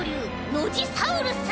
ノジサウルス。